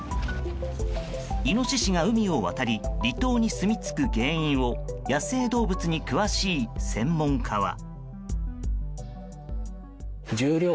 イノシシが海を渡り離島にすみつく原因を野生動物に詳しい専門家は。